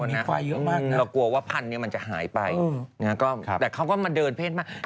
มันก็มีควายเยอะมากเนี่ยเรากลัวว่าพันธุ์นี้มันจะหายไปแต่เขาก็มาเดินเพศผ้าน